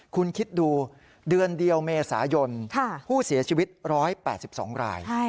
คุณคิดดูเดือนเดียวเมษายนผู้เสียชีวิต๑๘๒ราย